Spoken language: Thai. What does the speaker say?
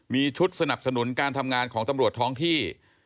มีชุดสนับสนุนการทำงานของตำรวจท้องที่